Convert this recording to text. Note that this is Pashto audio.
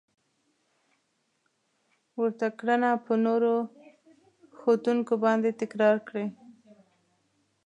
ورته کړنه په نورو ښودونکو باندې تکرار کړئ.